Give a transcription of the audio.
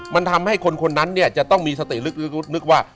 มันทำให้คนคนนั้นเนี่ยจะต้องมีสติลึกนึกว่า